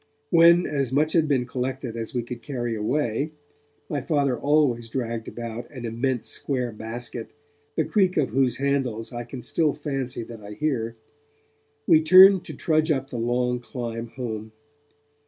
When as much had been collected as we could carry away my Father always dragged about an immense square basket, the creak of whose handles I can still fancy that I hear we turned to trudge up the long climb home.